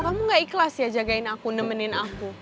kamu gak ikhlas ya jagain aku nemenin aku